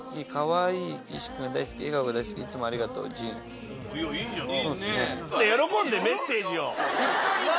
あれ⁉いいじゃない。